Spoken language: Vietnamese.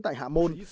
tại hà môn